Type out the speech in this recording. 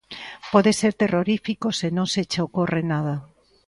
Pode ser terrorífico se non se che ocorre nada.